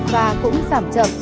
và cũng giảm chậm